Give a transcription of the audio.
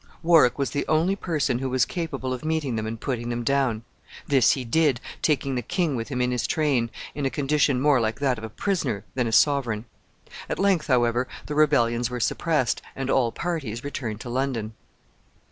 Warwick was the only person who was capable of meeting them and putting them down. This he did, taking the king with him in his train, in a condition more like that of a prisoner than a sovereign. At length, however, the rebellions were suppressed, and all parties returned to London.